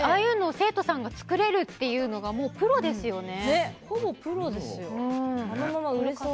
生徒さんが作れるっていうのがもうプロですよね。